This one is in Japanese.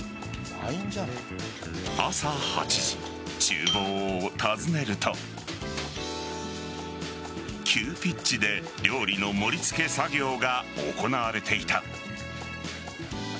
朝８時、厨房を訪ねると急ピッチで料理の盛り付け作業が行われていた。